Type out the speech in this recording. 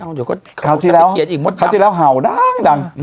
เนี่ยเอาเดี๋ยวก็ข่าวที่แล้วเห่าดังดัง